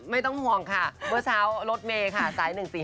ไม่ต้องห่วงค่ะเมื่อเช้ารถเมย์ค่ะสาย๑๔๕